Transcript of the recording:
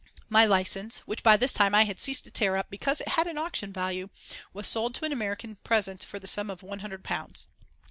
My licence, which by this time I had ceased to tear up because it had an auction value, was sold to an American present for the sum of one hundred pounds.